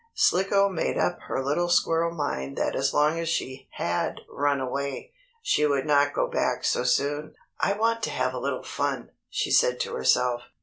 Slicko made up her little squirrel mind that as long as she had run away, she would not go back so soon. "I want to have a little fun," she said to herself.